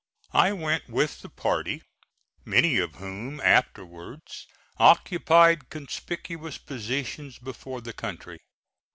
I went with the party, many of whom afterwards occupied conspicuous positions before the country.